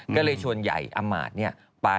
ก็เลยชวนใหญ่อำมาตย์ไป